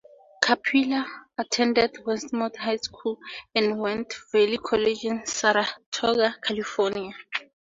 Capilla attended Westmont High School and West Valley College in Saratoga, California.